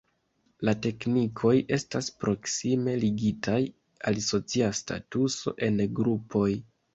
La teknikoj estas proksime ligitaj al socia statuso en grupoj.